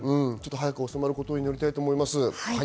早く収まることを祈りたいと思います。